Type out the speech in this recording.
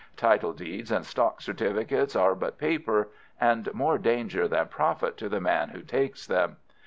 Title deeds and stock certificates are but paper, and more danger than profit to the man who takes them.